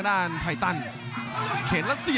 รับทราบบรรดาศักดิ์